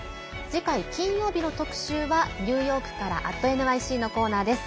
次回金曜日の特集はニューヨークから「＠ｎｙｃ」のコーナーです。